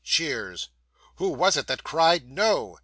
(Cheers.) Who was it that cried "No"?